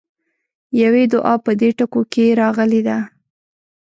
يوې دعا په دې ټکو کې راغلې ده.